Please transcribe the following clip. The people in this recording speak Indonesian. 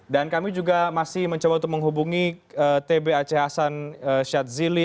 dan kami juga masih mencoba untuk menghubungi t b aceh hasan syadzili